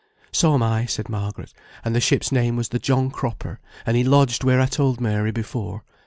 "So am I," said Margaret. "And the ship's name was the John Cropper, and he lodged where I told Mary before.